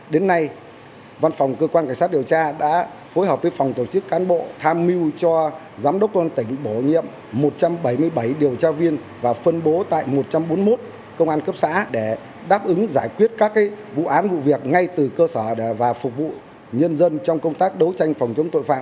đến nay văn phòng cơ quan cảnh sát điều tra đã phối hợp với phòng tổ chức cán bộ tham mưu cho giám đốc công an tỉnh bổ nhiệm một trăm bảy mươi bảy điều tra viên và phân bố tại một trăm bốn mươi một công an cấp xã để đáp ứng giải quyết các vụ án vụ việc ngay từ cơ sở và phục vụ nhân dân trong công tác đấu tranh phòng chống tội phạm